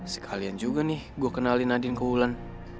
sekalian juga nih gue kenalin nadine ke ulan